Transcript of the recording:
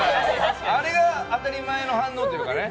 あれが当たり前の反応というかね。